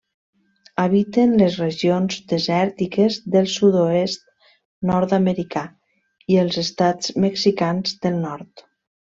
Habiten les regions desèrtiques del sud-oest nord-americà i els estats mexicans del nord.